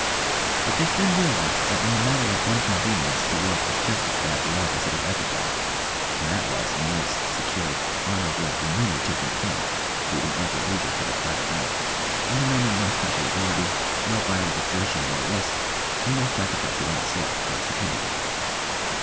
But they soon realised that in the matter of one convenience the world was just as badly off as it had ever been, and that was a nice, secure, honourable, remunerative employment, leaving ample leisure for the private life, and demanding no special ability, no violent exertion nor risk, and no sacrifice of any sort for its attainment.